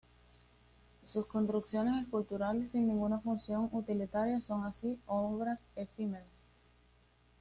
Sus construcciones, esculturales sin ninguna función utilitaria, son así obras efímeras.